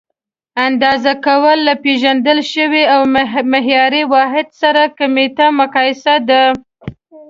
اندازه کول: له پېژندل شوي او معیاري واحد سره کمیتي مقایسه ده.